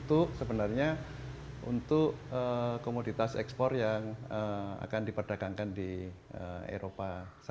untuk komoditas ekspor yang akan diperdagangkan di eropa